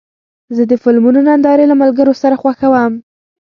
زه د فلمونو نندارې له ملګرو سره خوښوم.